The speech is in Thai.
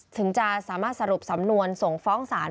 ถึงจะสามารถสรุปสำนวนส่งฟ้องศาล